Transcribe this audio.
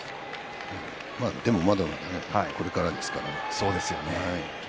でもまだこれからですからね。